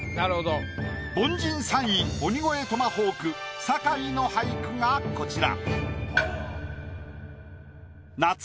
凡人３位鬼越トマホーク坂井の俳句がこちら。